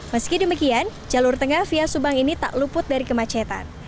meski demikian jalur tengah via subang ini tak luput dari kemacetan